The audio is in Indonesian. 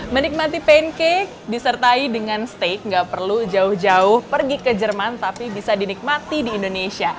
menikmati pancake disertai dengan steak nggak perlu jauh jauh pergi ke jerman tapi bisa dinikmati di indonesia